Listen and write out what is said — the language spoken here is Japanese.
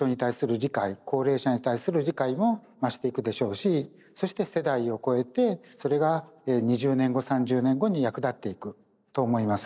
高齢者に対する理解も増していくでしょうしそして世代を超えてそれが２０年後３０年後に役立っていくと思いますね。